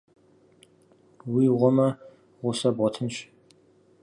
Уи гъуэмэ, гъусэ бгъуэтынщ.